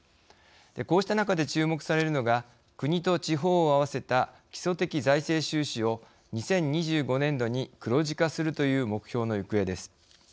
こうした中で注目されるのが国と地方を合わせた基礎的財政収支を２０２５年度に黒字化するという目標の行方です。